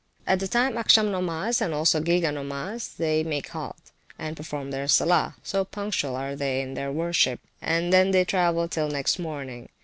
At the time of Acsham nomas, and also Gega nomas, they make a halt, and perform their Sallah (so punctual [p.384] are they in their worship), and then they travel till next morning.